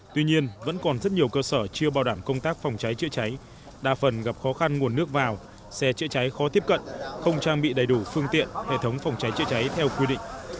tuy nhiên vẫn còn rất nhiều cơ sở chưa bảo đảm công tác phòng cháy chữa cháy đa phần gặp khó khăn nguồn nước vào xe chữa cháy khó tiếp cận không trang bị đầy đủ phương tiện hệ thống phòng cháy chữa cháy theo quy định